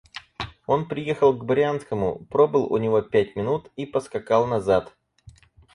Он приехал к Брянскому, пробыл у него пять минут и поскакал назад.